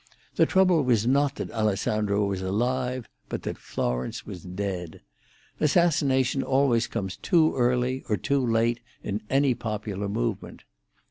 The trouble was not that Alessandro was alive, but that Florence was dead. Assassination always comes too early or too late in any popular movement.